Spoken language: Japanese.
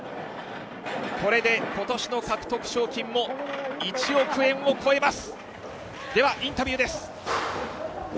これで今年の獲得賞金も１億円を超えます。